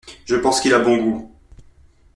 Je pense qu’il a bon goût.